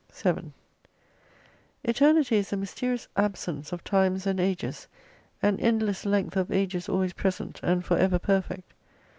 7 Eternity is a mysterious absence of times and ages t an endless length of ages always present, and for ever perfect.